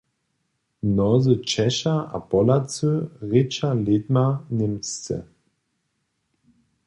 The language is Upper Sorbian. Mnozy Češa a Polacy rěča lědma němsce.